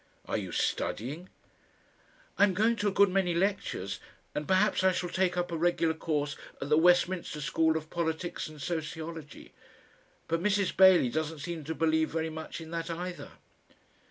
"Are you studying?" "I'm going to a good many lectures, and perhaps I shall take up a regular course at the Westminster School of Politics and Sociology. But Mrs. Bailey doesn't seem to believe very much in that either."